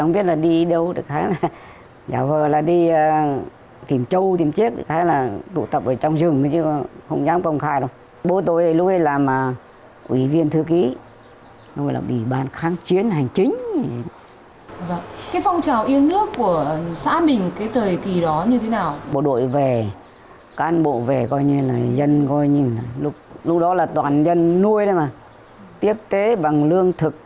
bộ đội về can bộ về dân coi như lúc đó là toàn dân nuôi tiếp tế bằng lương thực